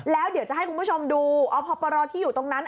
แล้วเดี๋ยวจะให้คุณผู้ชมดูอพปรที่อยู่ตรงนั้น